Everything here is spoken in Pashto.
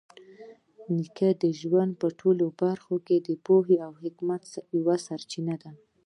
نیکه د ژوند په ټولو برخو کې د پوهې او حکمت یوه سرچینه ده.